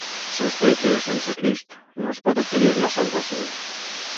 Sosté que, sense Crist, no es pot obtenir la salvació.